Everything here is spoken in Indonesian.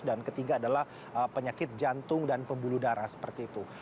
dan ketiga adalah penyakit jantung dan pembuluh darah seperti itu